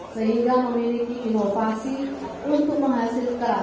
sehingga memiliki inovasi untuk menghasilkan kursi semenjak tahun dua ribu dua puluh satu